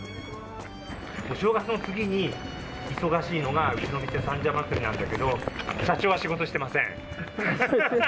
お正月の次に忙しいのが、うちの店、三社祭なんだけど、社長は仕事してません。